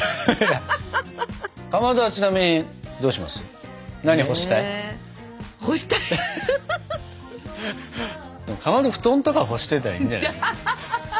かまど布団とか干してたらいいんじゃないの？